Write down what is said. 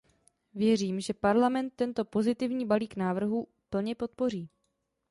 Věřím, že Parlament tento pozitivní balík návrhů plně podpoří.